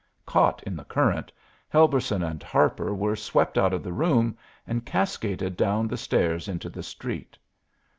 Caught in the current, Helberson and Harper were swept out of the room and cascaded down the stairs into the street.